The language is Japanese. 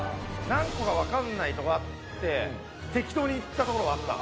何個かわかんないとこあって適当にいったところがあった。